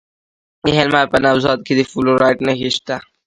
د هلمند په نوزاد کې د فلورایټ نښې شته.